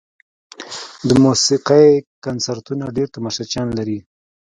د موسیقۍ کنسرتونه ډېر تماشچیان لري.